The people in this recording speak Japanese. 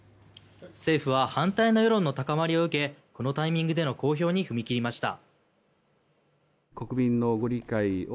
政府は反対の世論の高まりを受けこのタイミングでの公表に踏み切りました。